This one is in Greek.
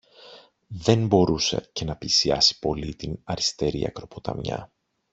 Δεν μπορούσε και να πλησιάσει πολύ την αριστερή ακροποταμιά